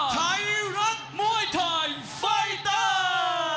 ไทรักมวยไทม์ไฟเตอร์